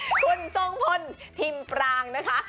คุณทรงพลทิมปรางนะคะ